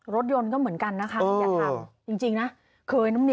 รถยนต์ก็เหมือนกันนะครับ